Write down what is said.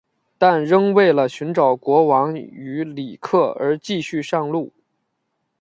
但仍为了寻找国王与里克而继续上路。